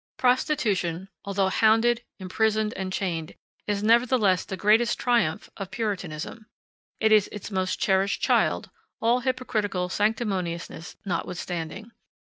Prostitution, although hounded, imprisoned, and chained, is nevertheless the greatest triumph of Puritanism. It is its most cherished child, all hypocritical sanctimoniousness notwithstanding.